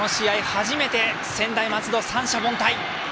初めて専大松戸、三者凡退。